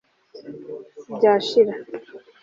byashira